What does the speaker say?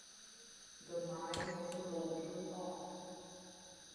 The mine was a total loss.